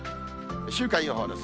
週間予報です。